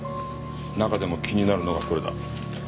中でも気になるのがこれだ。